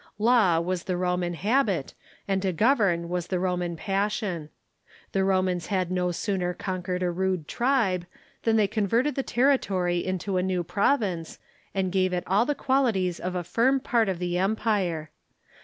Law was the Roman habit, and to govern was the Roman passion. The Romans had no sooner conquered a rude tribe than they converted the territory into a new province, and gave it all the qualities of a firm jjart of the empire.